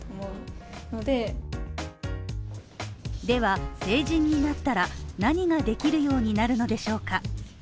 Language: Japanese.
では、成人になったら何ができるようになるのでしょうか？